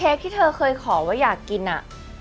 ที่เธอเคยขอว่าอยากกินอ่ะ